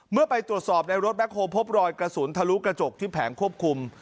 ไปตรวจสอบในรถแคคโฮลพบรอยกระสุนทะลุกระจกที่แผงควบคุม